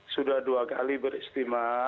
sudah dua kali beristimewa